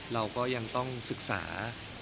เราก็ยังต้องศึกษา